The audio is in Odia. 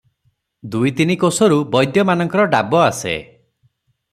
ଦୁଇ ତିନି କୋଶରୁ ବୈଦ୍ୟମାନଙ୍କର ଡାବ ଆସେ ।